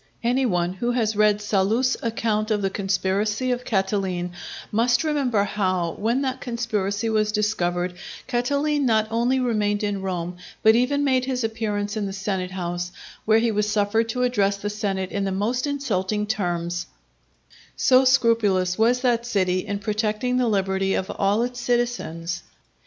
Any one who has read Sallust's account of the conspiracy of Catiline, must remember how, when that conspiracy was discovered, Catiline not only remained in Rome, but even made his appearance in the senatehouse, where he was suffered to address the senate in the most insulting terms,—so scrupulous was that city in protecting the liberty of all its citizens.